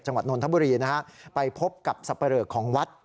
จังหวัดนทบุรีนะฮะไปพบกับสัปดาห์เหลือของวัด